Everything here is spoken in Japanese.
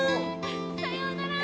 さようなら！